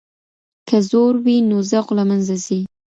که زور وي نو ذوق له منځه ځي.